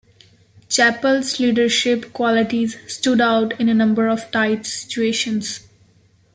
Chappell's leadership qualities stood out in a number of tight situations.